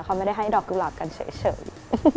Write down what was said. เขาไม่ได้ให้ดอกกุหลาบกันเฉย